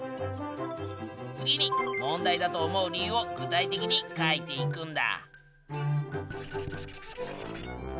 次に問題だと思う理由を具体的に書いていくんだ。